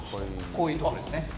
こういうとこですね。